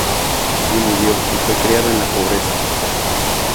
Will vivió y fue criado en la pobreza.